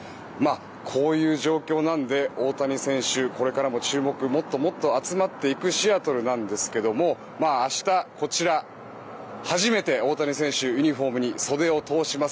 こういう状況なので大谷選手、これからも注目がもっともっと集まっていくシアトルなんですが明日、こちら初めて大谷選手がユニホームに袖を通します。